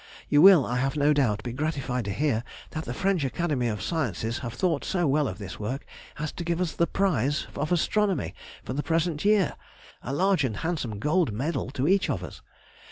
You will, I have no doubt, be gratified to hear that the French Academy of Sciences have thought so well of this work as to give us the prize of astronomy for the present year (a large and handsome gold medal to each of us).